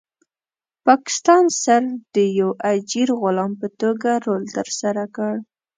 پاکستان صرف د یو اجیر غلام په توګه رول ترسره کړ.